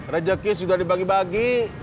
rejekis juga dibagi bagi